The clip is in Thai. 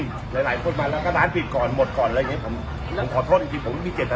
หลายหลายคนมาแล้วก็ร้านปิดก่อนหมดก่อนอะไรอย่างเงี้ผมผมขอโทษจริงจริงผมไม่มีเจตนา